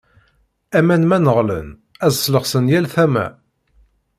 Aman ma neɣlen, ad slexsen yal tama.